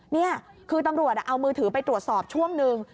นี่คือตำรวจเอามือถือไปตรวจสอบช่วงหนึ่ง